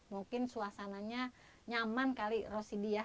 mungkin suasananya nyaman kali rosidi ya